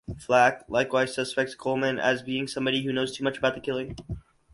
Flack likewise suspects Coleman as being somebody who knows too much about the killing.